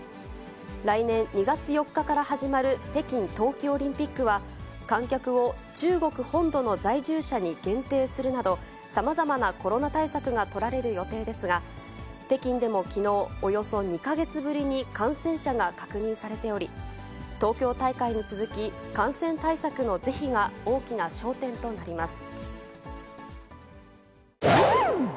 来年２月４日から始まる北京冬季オリンピックは、観客を中国本土の在住者に限定するなど、さまざまなコロナ対策が取られる予定ですが、北京でもきのう、およそ２か月ぶりに感染者が確認されており、東京大会に続き、感染対策の是非が大きな焦点となります。